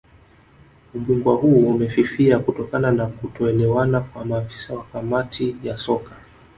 Ubingwa huu umefifia kutokana na kutoelewana kwa maafisa wa Kamati ya Soka